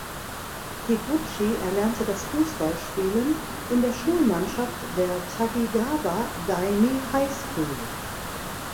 Higuchi erlernte das Fußballspielen in der Schulmannschaft der "Takigawa Daini High School".